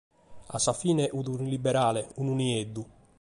A sa fine fiat unu liberale, unu nieddu.